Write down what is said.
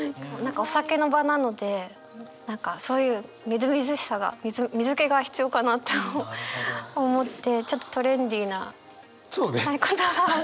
お酒の場なので何かそういうみずみずしさが水けが必要かなと思ってちょっとトレンディーな言葉を。